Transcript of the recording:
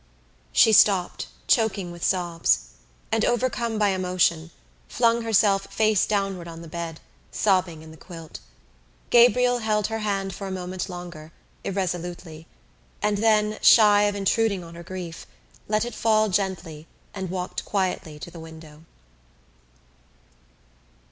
She stopped, choking with sobs and, overcome by emotion, flung herself face downward on the bed, sobbing in the quilt. Gabriel held her hand for a moment longer, irresolutely, and then, shy of intruding on her grief, let it fall gently and walked quietly to the window.